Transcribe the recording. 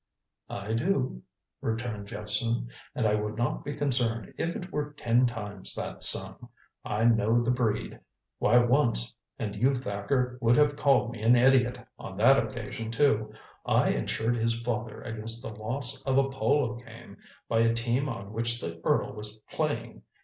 "I do," returned Jephson. "And I would not be concerned if it were ten times that sum. I know the breed. Why, once and you, Thacker, would have called me an idiot on that occasion, too I insured his father against the loss of a polo game by a team on which the earl was playing.